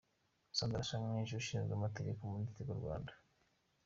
Sandra Cyamweshi ushinzwe amategeko muri Tigo Rwanda.